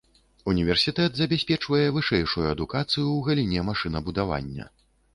Універсітэт забяспечвае вышэйшую адукацыю ў галіне машынабудавання.